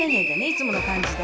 いつもの感じで。